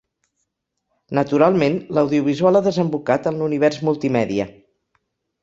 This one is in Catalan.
Naturalment, l'audiovisual ha desembocat en l'univers multimèdia.